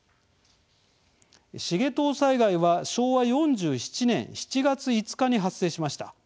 繁藤災害は、昭和４７年７月５日に発生しました。